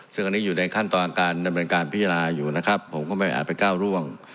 ซึ่งอันนี้อยู่ในขั้นตอนการดำเนินการพิจารณาอยู่นะครับผมก็ไม่อาจไปก้าวร่วง